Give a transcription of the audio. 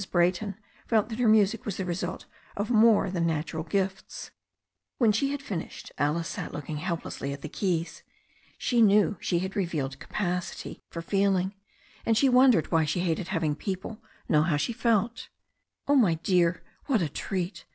Brayton felt that her music was the result of more than natural gifts. When she had finished Alice sat looking helplessly at the keys. She knew she had revealed capacity for feeling, and she wondered why she hated having people know how she felt "Oh, my dear, what a treat!"